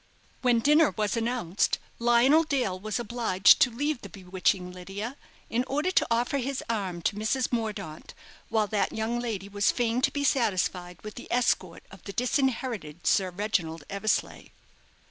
When dinner was announced, Lionel Dale was obliged to leave the bewitching Lydia in order to offer his arm to Mrs. Mordaunt, while that young lady was fain to be satisfied with the escort of the disinherited Sir Reginald Eversleigh.